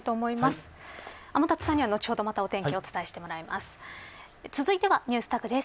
天達さんには後ほどまたお天気をお伝えしてもらいます。